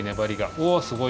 おすごい。